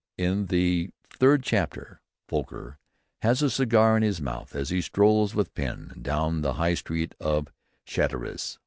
In the third chapter Foker has a cigar in his mouth as he strolls with Pen down the High Street of Chatteris.